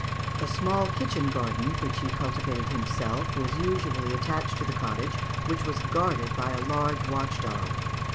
A small kitchen garden, which he cultivated himself, was usually attached to the cottage, which was guarded by a large watch dog.